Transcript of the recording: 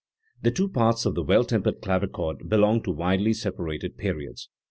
The two Parts of the Well tempered Clavichord belong to widely separated periods*.